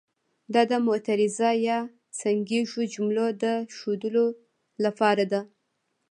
دا د معترضه یا څنګیزو جملو د ښودلو لپاره ده.